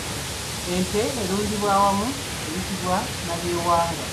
Ente erundirwa awamu eyitibwa nabyewanga.